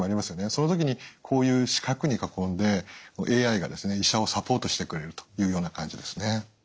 その時にこういう四角に囲んでＡＩが医者をサポートしてくれるというような感じですね。